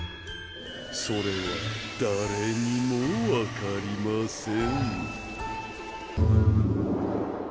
それは誰にもわかりません